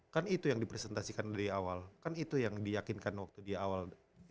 kan itu yang dipresentasikan dari awal kan itu yang diyakinkan waktu di awal